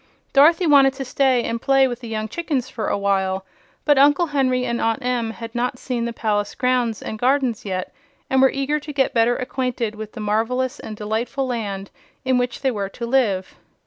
Dorothy wanted to stay and play with the young chickens for awhile, but Uncle Henry and Aunt Em had not seen the palace grounds and gardens yet and were eager to get better acquainted with the marvelous and delightful land in which they were to live.